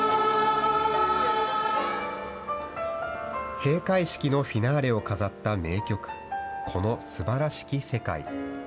閉会式のフィナーレを飾った名曲、この素晴らしき世界。